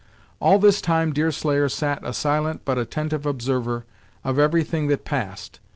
All this time Deerslayer sat a silent but attentive observer of every thing that passed.